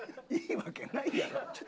いいわけないやろ。